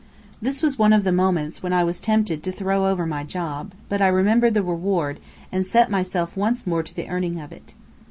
This was one of the moments when I was tempted to throw over my job; but I remembered the reward, and set myself once more to the earning of it.